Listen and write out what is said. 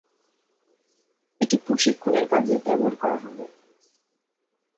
এটি প্রশিক্ষণের কাজে ব্যবহার করা হবে।